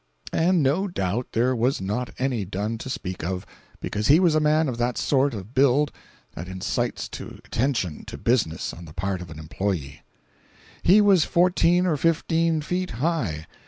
And no doubt there was not any done to speak of, because he was a man of that sort of build that incites to attention to business on the part of an employee. He was fourteen or fifteen feet high.